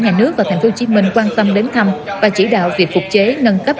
nhà nước và tp hcm quan tâm đến thăm và chỉ đạo việc phục chế nâng cấp